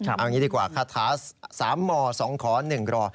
เอาอย่างนี้ดีกว่าคาถา๓ม๒ขอ๑ร